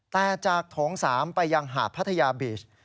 แต่จากโถง๓ไปยังหาดพัทยาบีช